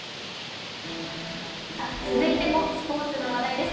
続いてもスポーツの話題です。